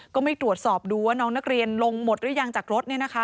ก็ไม่ตรวจสอบดูว่าน้องนักเรียนลงหมดหรือยังจากรถ